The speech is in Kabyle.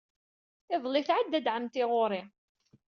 Iḍelli, tɛedda-d ɛemmti ɣer-i.